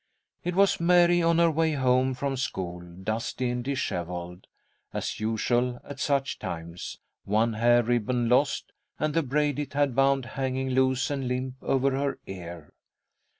It was Mary on her way home from school, dusty and dishevelled, as usual at such times, one hair ribbon lost, and the braid it had bound hanging loose and limp over her ear.